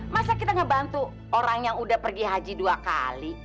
masa kita ngebantu orang yang udah pergi haji dua kali